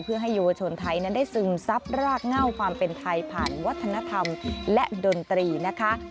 เพื่อให้เยาวชนไทยนั้นได้ซึมซับรากเง่าความเป็นไทยผ่านวัฒนธรรมและดนตรีนะคะ